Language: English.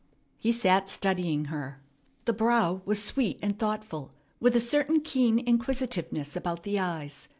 He sat studying her. The brow was sweet and thoughtful, with a certain keen inquisitiveness about the eyes.